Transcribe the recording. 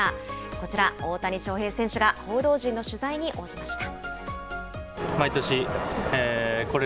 こちら、大谷翔平選手が報道陣の取材に応じました。